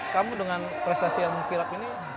kamu dengan prestasi yang kirap ini